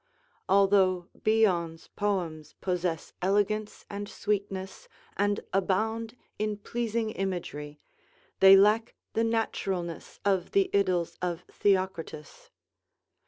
Although Bion's poems possess elegance and sweetness, and abound in pleasing imagery, they lack the naturalness of the idyls of Theocritus.